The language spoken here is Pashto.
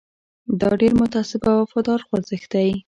دا ډېر متعصب او وفادار خوځښت دی.